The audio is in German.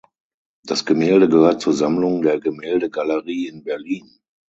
Das Gemälde gehört zur Sammlung der Gemäldegalerie in Berlin.